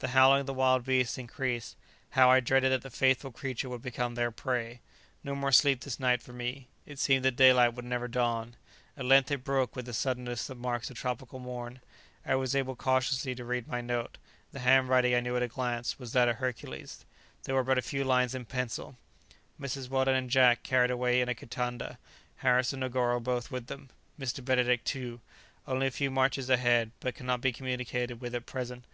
The howling of the wild beasts increased. How I dreaded that the faithful creature would become their prey! No more sleep this night for me. It seemed that daylight would never dawn; at length it broke with the suddenness that marks a tropical morn. I was able cautiously to read my note; the handwriting, I knew at a glance, was that of Hercules; there were but a few lines in pencil: "Mrs. Weldon and Jack carried away in a kitanda. "Harris and Negoro both with them. Mr. Benedict too. Only a few marches ahead, but cannot be communicated with at present.